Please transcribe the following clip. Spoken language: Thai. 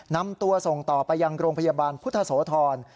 นำตัวส่งต่อไปยังโรงพยาบาลพุทธโสธร